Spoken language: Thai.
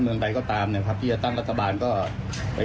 เชื้อไทยเขาตั้งคุณสุริยะมาดิวกับสวรรค์ค่ะ